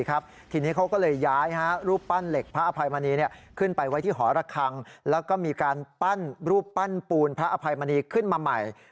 คนที่นำไปคนที่อโมยปีของพระอภัยไป